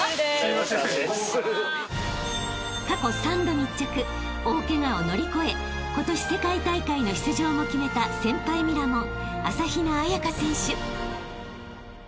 ［過去３度密着大ケガを乗り越え今年世界大会の出場も決めた先輩ミラモン］